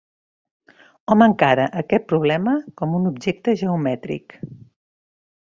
Hom encara aquest problema com un objecte geomètric.